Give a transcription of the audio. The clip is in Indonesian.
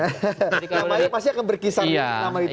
namanya pasti akan berkisar nama itu saja ya